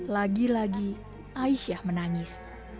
lagi lagi aisyah menangis